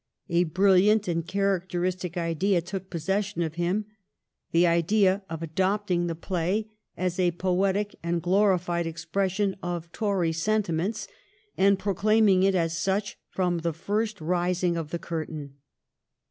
A brilliant and characteristic idea took possession of him — the idea of adopting the play as a poetic and glorified expression of Tory sentiments, and proclaiming it as such from the first rising of the curtain.